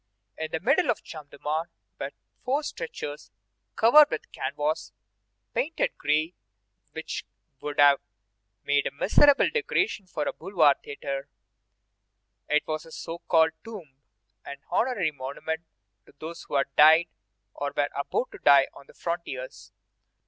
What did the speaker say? In the middle of the Champ de Mars were four stretchers covered with canvas painted gray which would have made a miserable decoration for a boulevard theatre. It was a so called tomb, an honorary monument to those who had died or were about to die on the frontiers.